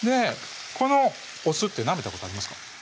このお酢ってなめたことありますか？